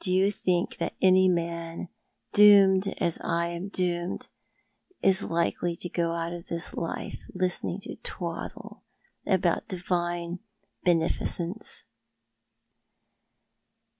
Do you think that any man, doomed as I am doomed, is likely to go out of this life listening to twaddle about Divine Bene ficence